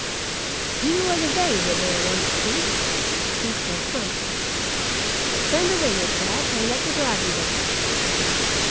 "You are the very woman I want to see," he said promptly. "Send away your trap, and let me drive you home.